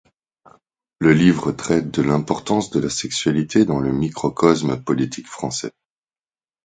Le livre traite de l'importance de la sexualité dans le microcosme politique français.